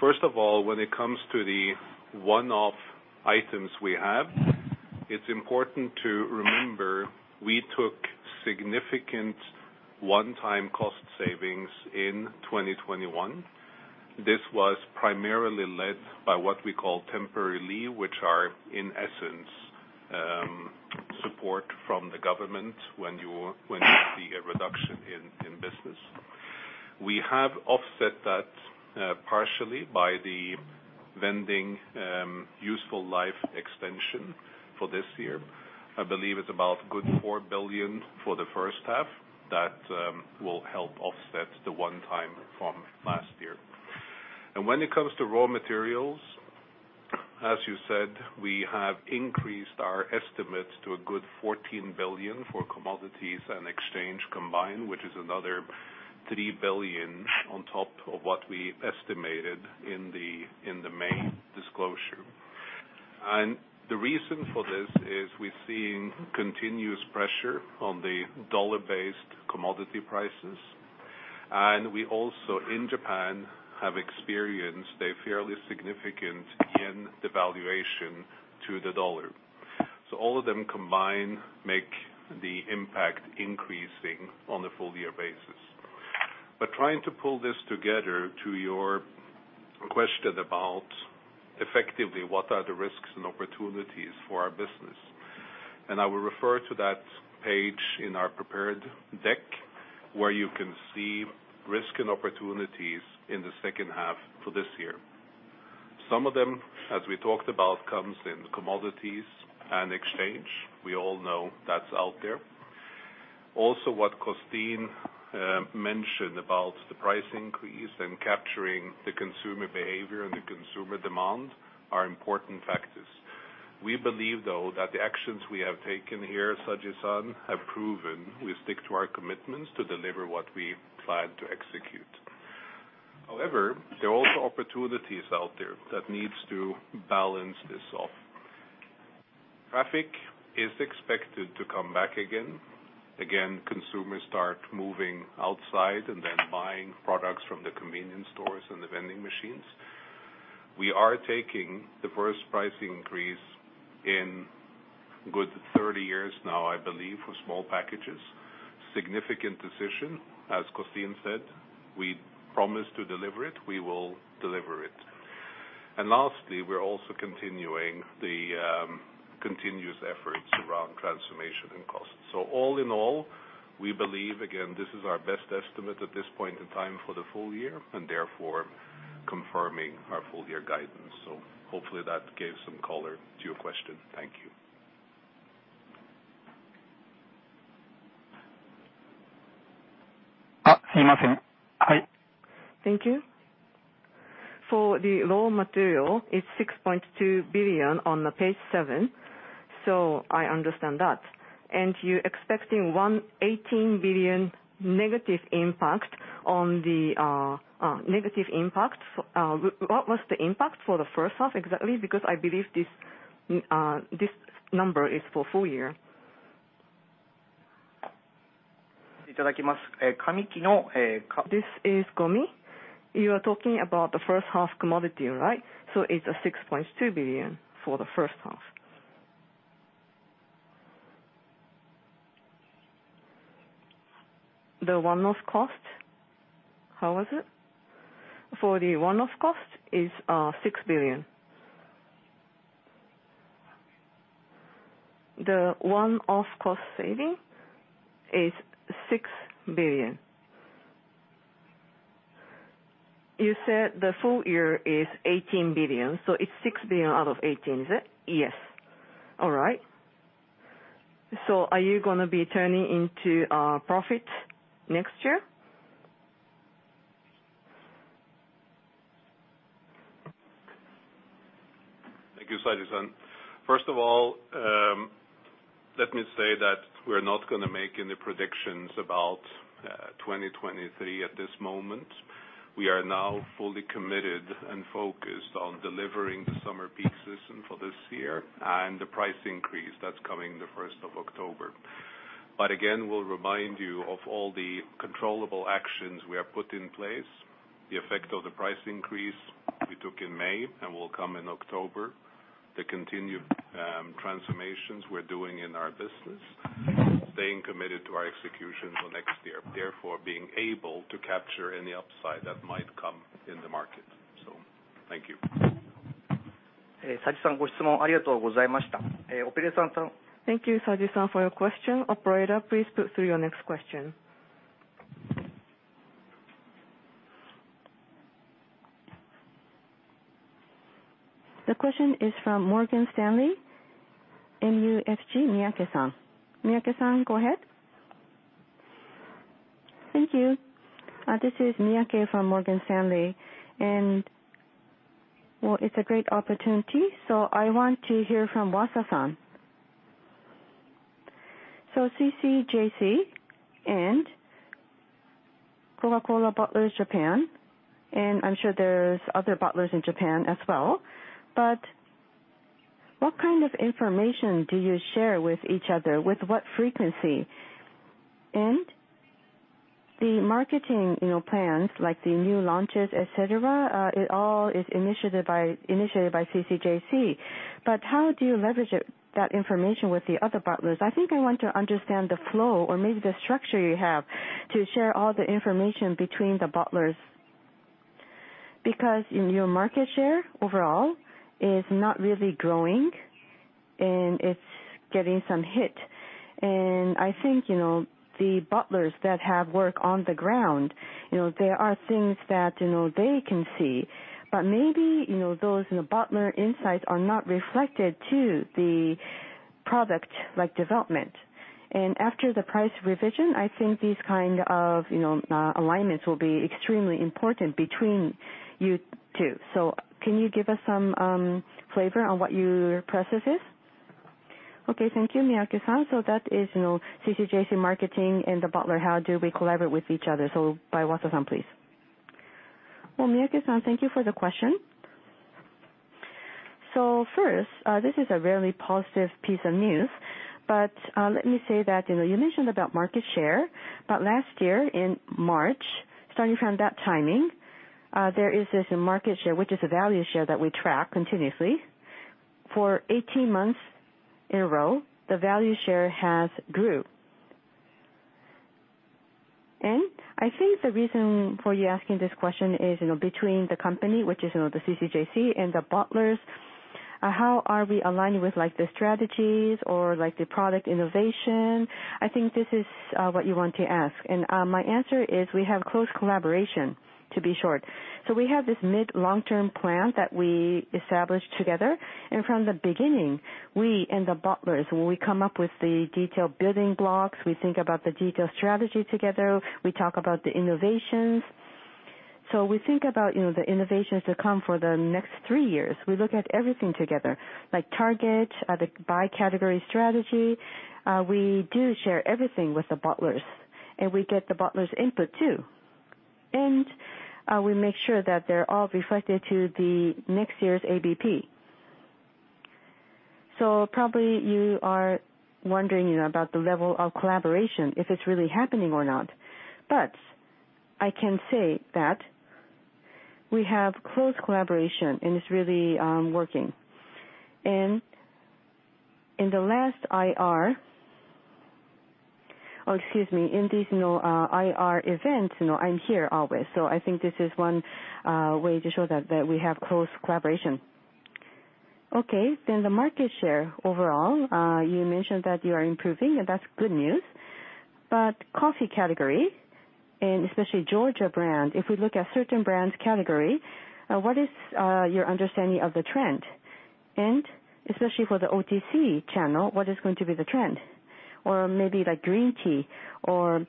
when it comes to the one-off items we have, it's important to remember we took significant one-time cost savings in 2021. This was primarily led by what we call temporary leave, which are, in essence, support from the government when you see a reduction in business. We have offset that partially by the vending useful life extension for this year. I believe it's about 4 billion for the first half that will help offset the one-time from last year. When it comes to raw materials, as you said, we have increased our estimates to a good 14 billion for commodities and exchange combined, which is another 3 billion on top of what we estimated in the main disclosure. The reason for this is we're seeing continuous pressure on the dollar-based commodity prices. We also, in Japan, have experienced a fairly significant yen devaluation to the dollar. All of them combined make the impact increasing on a full year basis. Trying to pull this together to your question about effectively what are the risks and opportunities for our business. I will refer to that page in our prepared deck, where you can see risk and opportunities in the second half for this year. Some of them, as we talked about, comes in commodities and exchange. We all know that's out there. Also, what Costin mentioned about the price increase and capturing the consumer behavior and the consumer demand are important factors. We believe, though, that the actions we have taken here, Saji-san, have proven we stick to our commitments to deliver what we plan to execute. However, there are also opportunities out there that needs to balance this off. Traffic is expected to come back again. Consumers start moving outside and then buying products from the convenience stores and the vending machines. We are taking the first price increase in good 30 years now, I believe, for small packages. Significant decision, as Costin said. We promised to deliver it. We will deliver it. Lastly, we're also continuing the continuous efforts around transformation and cost. All in all, we believe, again, this is our best estimate at this point in time for the full year and therefore confirming our full year guidance. Hopefully that gave some color to your question. Thank you. Saji-san. Hi. Thank you. For the raw material, it's 6.2 billion on page seven. So I understand that. You're expecting 118 billion negative impact. What was the impact for the first half exactly? Because I believe this number is for full year. This is Gomi. You are talking about the first half commodity, right? So it's 6.2 billion for the first half. The one-off cost. How was it? For the one-off cost is 6 billion. The one-off cost saving is 6 billion. You said the full year is 18 billion, so it's 6 billion out of 18 billion, is it? Yes. All right. So are you gonna be turning into profit next year? Thank you, Saji-san. First of all, let me say that we're not gonna make any predictions about 2023 at this moment. We are now fully committed and focused on delivering the summer peak season for this year and the price increase that's coming the first. But again, we'll remind you of all the controllable actions we have put in place. The effect of the price increase we took in May and will come in October. The continued transformations we're doing in our business. Staying committed to our execution for next year, therefore being able to capture any upside that might come in the market. Thank you. Thank you, Saji-san, for your question. Operator, please put through your next question. The question is from Morgan Stanley MUFG, Miyake-san. Miyake-san, go ahead. Thank you. This is Miyake from Morgan Stanley. Well, it's a great opportunity, so I want to hear from Wasa-san. CCJC and Coca-Cola Bottlers Japan, and I'm sure there's other bottlers in Japan as well. But what kind of information do you share with each other, with what frequency? And the marketing, you know, plans like the new launches, et cetera, it all is initiated by CCJC. But how do you leverage it, that information with the other bottlers? I think I want to understand the flow or maybe the structure you have to share all the information between the bottlers. Because your market share overall is not really growing and it's getting some hit. I think, you know, the bottlers that have work on the ground, you know, there are things that, you know, they can see. Maybe, you know, those in the bottler insights are not reflected to the product like development. After the price revision, I think these kind of, you know, alignments will be extremely important between you two. Can you give us some flavor on what your process is? Okay, thank you, Miyake-san. That is, you know, CCJC marketing and the bottler, how do we collaborate with each other. By Wasa-san, please. Well, Miyake-san, thank you for the question. First, this is a really positive piece of news. Let me say that, you know, you mentioned about market share. Last year in March, starting from that timing, there is this market share, which is a value share that we track continuously. For 18 months in a row, the value share has grew. I think the reason for you asking this question is, you know, between the company, which is, you know, the CCJC and the bottlers, how are we aligning with like the strategies or like the product innovation? I think this is what you want to ask. My answer is we have close collaboration, to be short. We have this mid, long-term plan that we established together. From the beginning, we and the bottlers, we come up with the detailed building blocks. We think about the detailed strategy together. We talk about the innovations. We think about, you know, the innovations to come for the next three years. We look at everything together, like target, the buy category strategy. We do share everything with the bottlers and we get the bottlers' input too. We make sure that they're all reflected to the next year's ABP. Probably you are wondering about the level of collaboration, if it's really happening or not. I can say that we have close collaboration and it's really working. In this, you know, IR event, you know, I'm here always. I think this is one way to show that we have close collaboration. The market share overall, you mentioned that you are improving and that's good news. Coffee category and especially Georgia brand, if we look at certain brands category, what is your understanding of the trend? Especially for the OTC channel, what is going to be the trend? Or maybe like green tea or,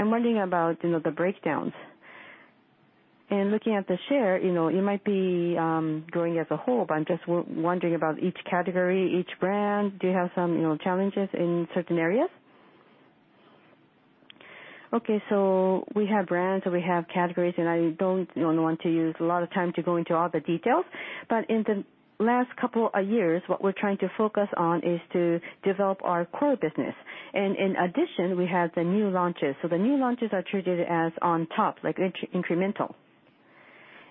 I'm wondering about, you know, the breakdowns. Looking at the share, you know, it might be growing as a whole, but I'm just wondering about each category, each brand. Do you have some, you know, challenges in certain areas? Okay, we have brands and we have categories, and I don't, you know, want to use a lot of time to go into all the details. In the last couple of years, what we're trying to focus on is to develop our core business. In addition, we have the new launches. The new launches are treated as on top, like incremental.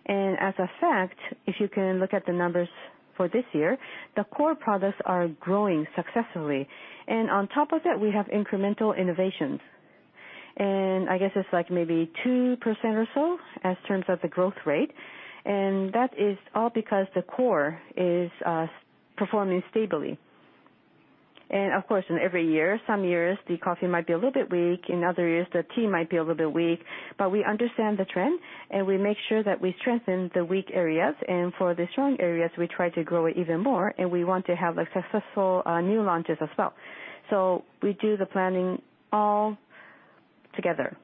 In fact, if you can look at the numbers for this year, the core products are growing successfully. On top of that, we have incremental innovations. I guess it's like maybe 2% or so in terms of the growth rate. That is all because the core is performing stably. Of course, in every year, some years the coffee might be a little bit weak. In other years, the tea might be a little bit weak. But we understand the trend, and we make sure that we strengthen the weak areas. For the strong areas, we try to grow it even more. We want to have like successful new launches as well. We do the planning all together.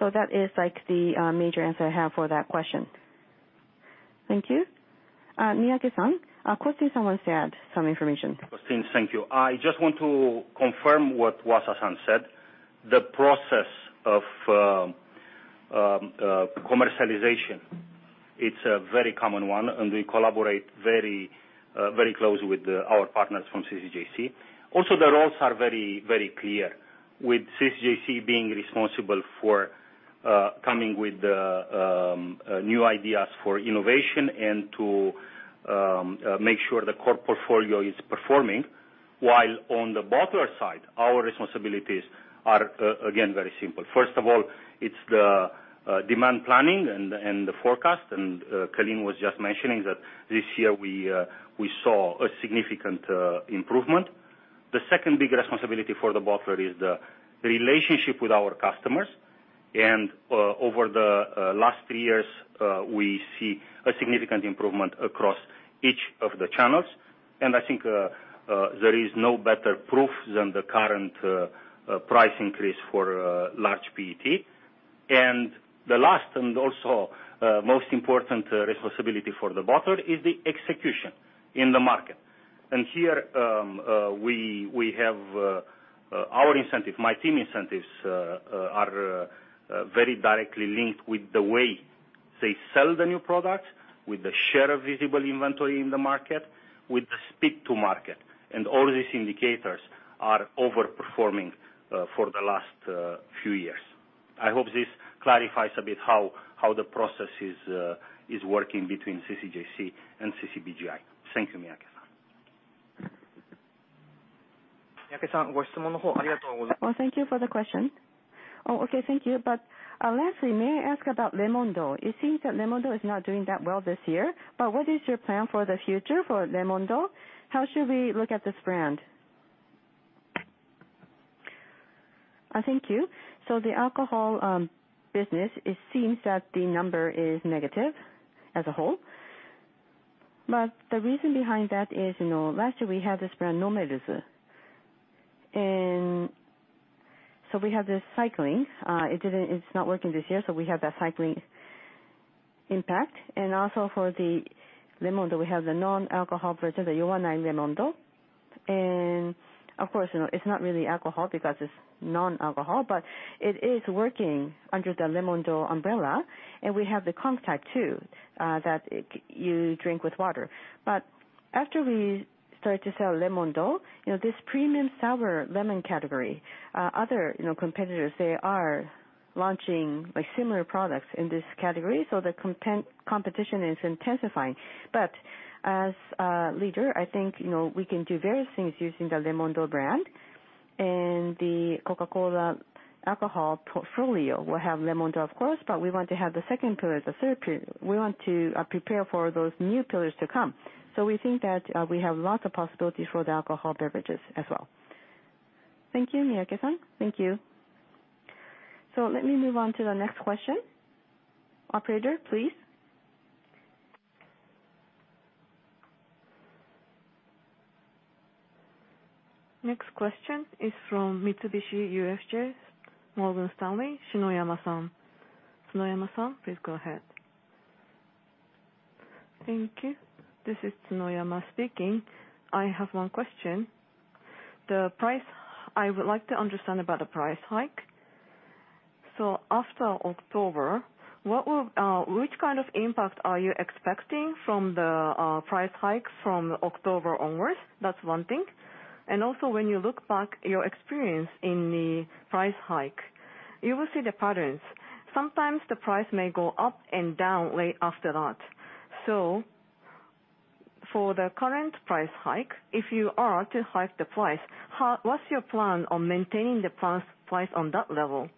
That is like the major answer I have for that question. Thank you. Miyake-san, Costin wants to add some information. It's Costin, thank you. I just want to confirm what Wasa-san said. The process of commercialization, it's a very common one, and we collaborate very closely with our partners from CCJC. Also, the roles are very clear, with CCJC being responsible for coming up with the new ideas for innovation and to make sure the core portfolio is performing. While on the bottler side, our responsibilities are again, very simple. First of all, it's the demand planning and the forecast. Calin was just mentioning that this year we saw a significant improvement. The second big responsibility for the bottler is the relationship with our customers. Over the last three years, we see a significant improvement across each of the channels. I think there is no better proof than the current price increase for large PET. The last and also most important responsibility for the bottler is the execution in the market. Here, we have our incentive. My team incentives are very directly linked with the way they sell the new product, with the share of visible inventory in the market, with the speed to market. All these indicators are over-performing for the last few years. I hope this clarifies a bit how the process is working between CCJC and CCBJI. Thank you, Miyake-san. Well, thank you for the question. Thank you. Lastly, may I ask about Lemon-Dou? It seems that Lemon-Dou is not doing that well this year, but what is your plan for the future for Lemon-Dou? How should we look at this brand? Thank you. The alcohol business, it seems that the number is negative as a whole. The reason behind that is, you know, last year we had this brand, NOMEL's. We have this cyclical. It didn't, it's not working this year, so we have that cyclical impact. Also for the Lemon-Dou, we have the non-alcohol version, the Yowanai Lemon-Dou. Of course, you know, it's not really alcohol because it's non-alcohol, but it is working under the Lemon-Dou umbrella. We have the concentrate type too, that you drink with water. After we started to sell Lemon-Dou, you know, this premium sour lemon category, other, you know, competitors, they are launching, like, similar products in this category, so the competition is intensifying. As a leader, I think, you know, we can do various things using the Lemon-Dou brand. The Coca-Cola alcoholic portfolio will have Lemon-Dou of course, but we want to have the second pillar, the third pillar. We want to prepare for those new pillars to come. We think that we have lots of possibilities for the alcoholic beverages as well. Thank you, Miyake-san. Thank you. Let me move on to the next question. Operator, please. Next question is from Mitsubishi UFJ Morgan Stanley, Shinoyama-san. Shinoyama-san, please go ahead. Thank you. This is Shinoyama speaking. I have one question. The price, I would like to understand about the price hike. After October, what will, which kind of impact are you expecting from the, price hikes from October onwards? That's one thing. Also, when you look back at your experience in the price hike, you will see the patterns. Sometimes the price may go up and down way after that. For the current price hike, if you are to hike the price, how, what's your plan on maintaining the price on that level?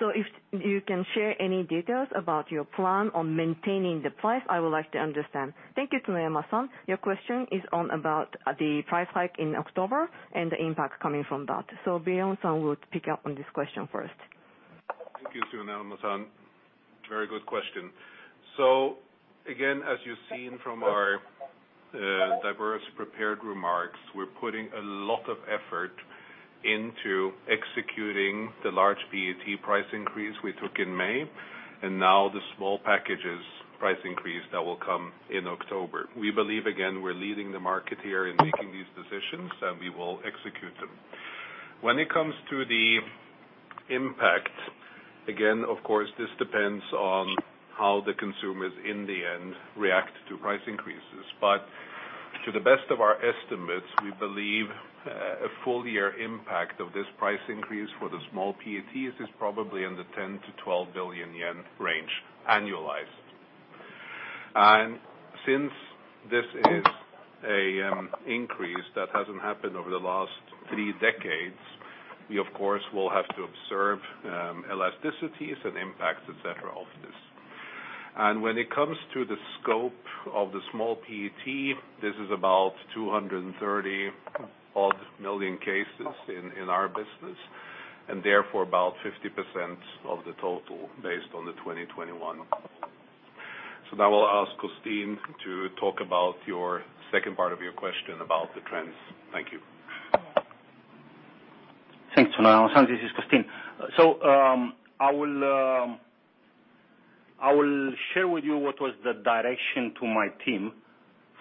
If you can share any details about your plan on maintaining the price, I would like to understand. Thank you, Shinoyama-san. Your question is about the price hike in October and the impact coming from that. Bjorn-san would pick up on this question first. Thank you, Shinoyama-san. Very good question. Again, as you've seen from our diverse prepared remarks, we're putting a lot of effort into executing the large PET price increase we took in May, and now the small packages price increase that will come in October. We believe, again, we're leading the market here in making these decisions, and we will execute them. When it comes to the impact, again, of course, this depends on how the consumers in the end react to price increases. But to the best of our estimates, we believe a full year impact of this price increase for the small PETs is probably in the 10 billion-12 billion yen range annualized. Since this is a increase that hasn't happened over the last three decades, we of course will have to observe elasticities and impacts, et cetera, of this. When it comes to the scope of the small PET, this is about 230-odd million cases in our business, and therefore about 50% of the total based on 2021. Now I'll ask Costin to talk about your second part of your question about the trends. Thank you. Thanks, Shinoyama-san. This is Costin. I will share with you what was the direction to my team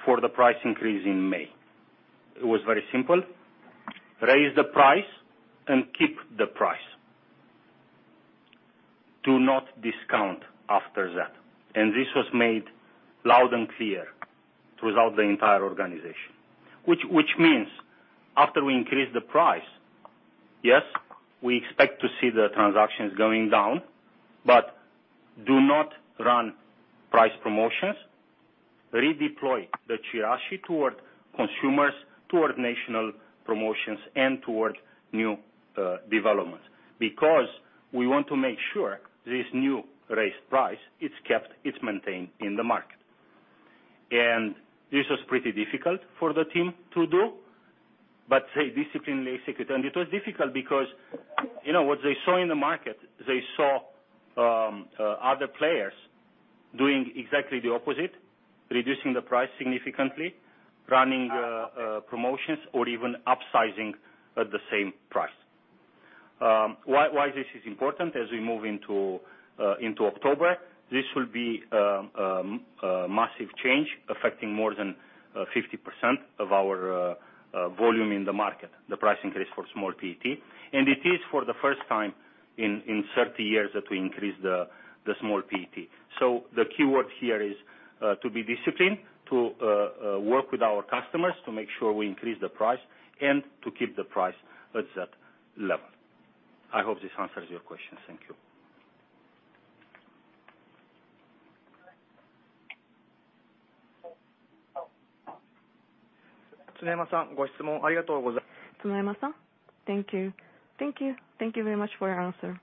for the price increase in May. It was very simple. Raise the price and keep the price. Do not discount after that. This was made loud and clear throughout the entire organization. Which means after we increase the price, yes, we expect to see the transactions going down, but do not run price promotions. Redeploy the trade spend toward consumers, towards national promotions, and towards new developments, because we want to make sure this new raised price is kept, it's maintained in the market. This was pretty difficult for the team to do, but they disciplined basically. It was difficult because, you know, what they saw in the market, they saw other players doing exactly the opposite, reducing the price significantly, running promotions or even upsizing at the same price. Why this is important as we move into October, this will be a massive change affecting more than 50% of our volume in the market, the price increase for small PET. It is for the first time in 30 years that we increase the small PET. The keyword here is to be disciplined, to work with our customers to make sure we increase the price and to keep the price at that level. I hope this answers your question. Thank you. Thank you very much for your answer.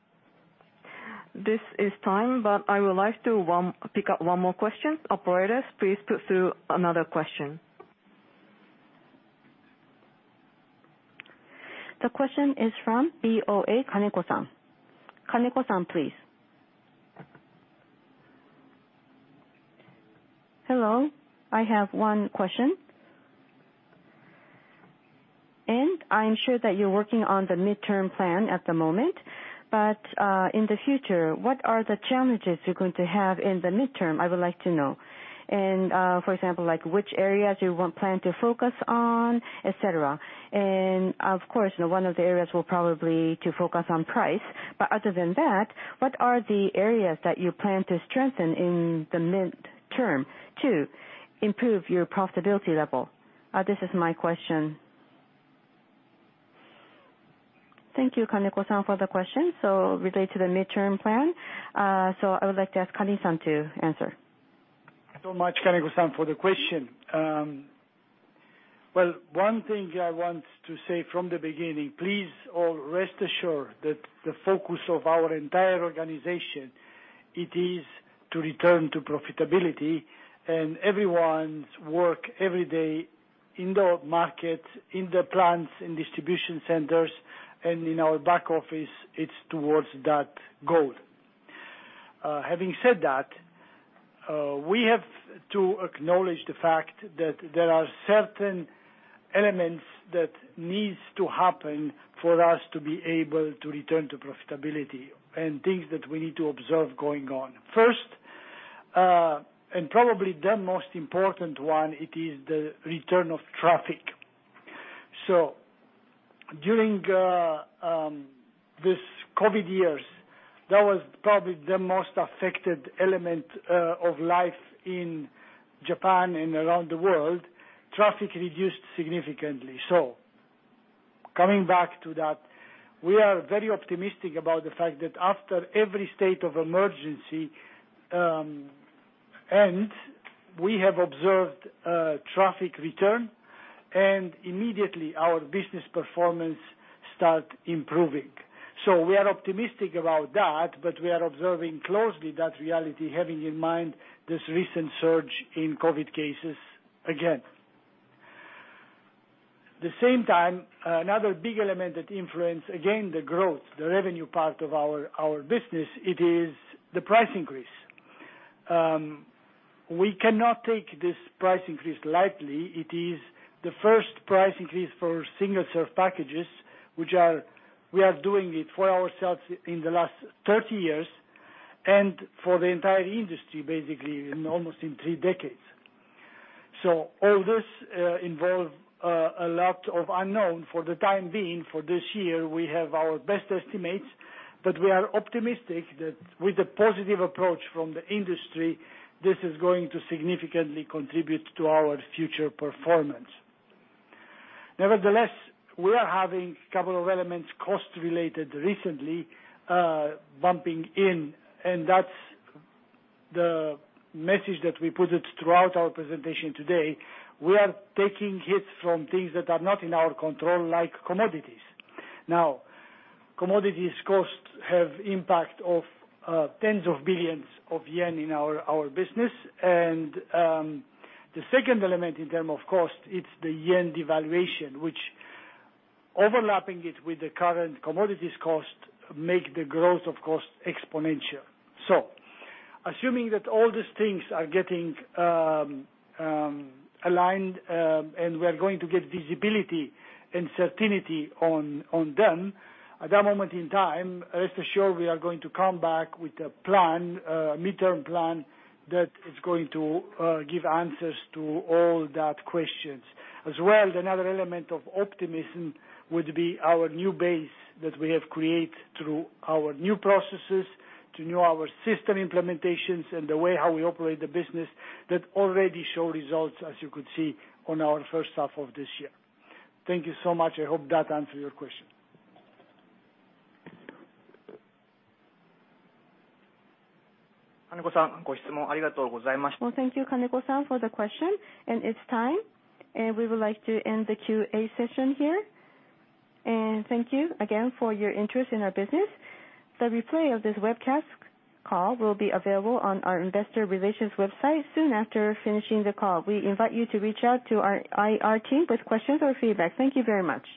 This is time, but I would like to pick up one more question. Operators, please put through another question. The question is from BofA Kaneko-san. Kaneko-san, please. Hello, I have one question. I'm sure that you're working on the midterm plan at the moment, but in the future, what are the challenges you're going to have in the midterm, I would like to know. For example, like which areas you want plan to focus on, et cetera. Of course, one of the areas will probably to focus on price. Other than that, what are the areas that you plan to strengthen in the midterm to improve your profitability level? This is my question. Thank you, Kaneko-san, for the question. Relate to the midterm plan. I would like to ask Calin-san to answer. Thanks so much, Kaneko-san, for the question. One thing I want to say from the beginning, please all rest assured that the focus of our entire organization, it is to return to profitability and everyone's work every day in the market, in the plants, in distribution centers, and in our back office, it's towards that goal. Having said that, we have to acknowledge the fact that there are certain elements that needs to happen for us to be able to return to profitability and things that we need to observe going on. First, and probably the most important one, it is the return of traffic. During these COVID years, that was probably the most affected element of life in Japan and around the world. Traffic reduced significantly. Coming back to that, we are very optimistic about the fact that after every state of emergency end, we have observed traffic return and immediately our business performance start improving. We are optimistic about that, but we are observing closely that reality, having in mind this recent surge in COVID cases again. At the same time, another big element that influences, again, the growth, the revenue part of our business, it is the price increase. We cannot take this price increase lightly. It is the first price increase for single serve packages, which we are doing for ourselves in the last 30 years and for the entire industry, basically, in almost three decades. All this involves a lot of unknown. For the time being, for this year, we have our best estimates, but we are optimistic that with the positive approach from the industry, this is going to significantly contribute to our future performance. Nevertheless, we are having a couple of elements cost related recently, bumping in, and that's the message that we put it throughout our presentation today. We are taking hits from things that are not in our control, like commodities. Now, commodity costs have impact of tens of billions of yen in our business. The second element in terms of cost, it's the yen devaluation, which overlapping it with the current commodities cost make the growth of cost exponential. Assuming that all these things are getting aligned, and we are going to get visibility and certainty on them, at that moment in time, rest assured we are going to come back with a plan, midterm plan that is going to give answers to all those questions. As well, another element of optimism would be our new base that we have created through our new processes, to our new system implementations and the way how we operate the business that already show results, as you could see in our first half of this year. Thank you so much. I hope that answers your question. Well, thank you, Kaneko-san, for the question. It's time, and we would like to end the QA session here. Thank you again for your interest in our business. The replay of this webcast call will be available on our Investor Relations website soon after finishing the call. We invite you to reach out to our IR team with questions or feedback. Thank you very much.